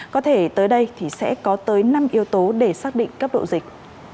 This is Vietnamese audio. có thể tới đây thì sẽ có tới năm yếu tố để xác định cấp độ dịch